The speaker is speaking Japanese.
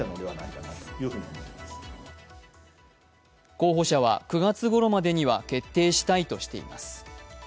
候補者は９月ごろまでには決定したいとしています。